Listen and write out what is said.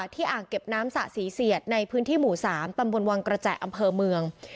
อ่างเก็บน้ำสะศรีเสียดในพื้นที่หมู่๓ตำบลวังกระแจอำเภอเมือง